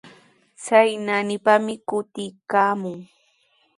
Chay naanipami kutiykaamun.